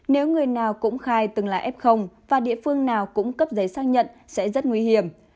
nếu người nào cũng khai từng là f và địa phương nào cũng cấp giấy xác nhận sẽ rất nguy hiểm